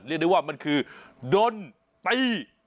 เรียกได้ว่ามันคือโดนตี